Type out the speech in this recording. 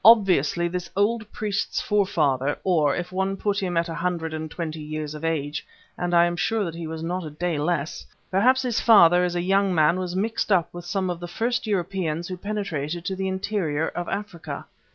Obviously this old priest's forefather, or, if one put him at a hundred and twenty years of age, and I am sure that he was not a day less, perhaps his father, as a young man, was mixed up with some of the first Europeans who penetrated to the interior of Africa.